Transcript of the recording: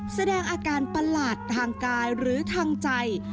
แสดงอาการประหลาดทางกายหรือทางใจ